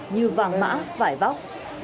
như vàng mã vải vóc